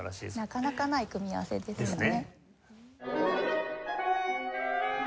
なかなかない組み合わせですよね。